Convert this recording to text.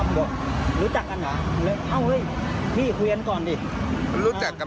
ครับล็อกแขน